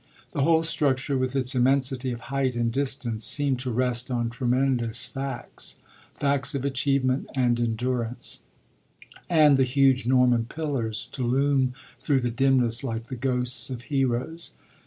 The whole structure, with its immensity of height and distance, seemed to rest on tremendous facts facts of achievement and endurance and the huge Norman pillars to loom through the dimness like the ghosts of heroes.